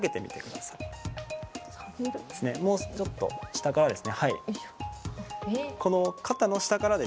もうちょっと下ですね。